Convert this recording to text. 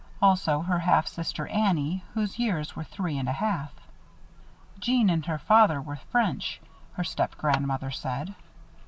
Also her half sister Annie, whose years were three and a half. Jeanne and her father were French, her stepgrandmother said.